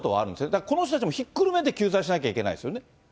だからこの人たちもひっくるめて救済しなきゃいけないんですよね。